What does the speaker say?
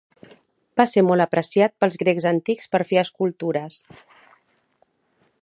Va ser molt apreciat pels grecs antics per fer escultures.